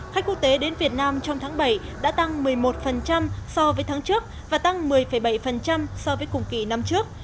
khách quốc tế đến việt nam trong tháng bảy đã tăng một mươi một so với tháng trước và tăng một mươi bảy so với cùng kỳ năm trước